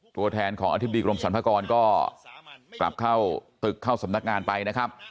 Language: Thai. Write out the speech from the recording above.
ตัวแทนของอธิบดีกรมสรรพากรก็กลับเข้าตึกเข้าสำนักงานไปนะครับ